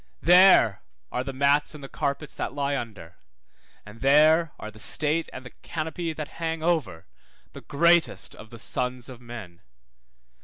There are the mats and the carpets that lie under, and there are the state and the canopy that hang over the greatest of the sons of men.